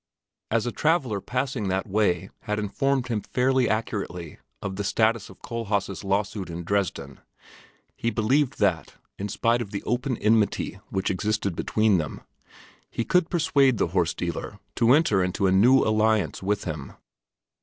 As a traveler passing that way had informed him fairly accurately of the status of Kohlhaas' lawsuit in Dresden, he believed that, in spite of the open enmity which existed between them, he could persuade the horse dealer to enter into a new alliance with him.